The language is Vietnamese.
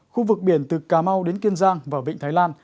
khu vực biển từ cà mau đến kiên giang và vịnh thái lan